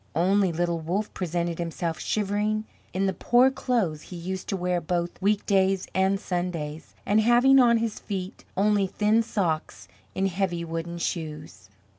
Only little Wolff presented himself shivering in the poor clothes he used to wear both weekdays and Sundays and having on his feet only thin socks in heavy wooden shoes.